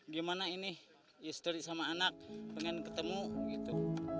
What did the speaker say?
gimana ini istri sama anak pengen ketemu gitu